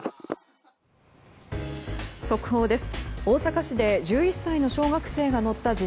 速報です。